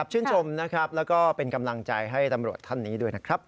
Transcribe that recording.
ชื่นชมนะครับแล้วก็เป็นกำลังใจให้ตำรวจท่านนี้ด้วยนะครับ